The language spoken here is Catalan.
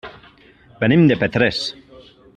Venim de Petrés.